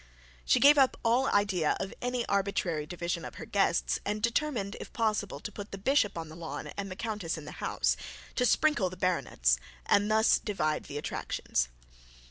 She gave up all idea of any arbitrary division of her guests, and determined if possible to put the bishop on the lawn and the countess in the house, to sprinkle the baronets, and thus divide the attractions.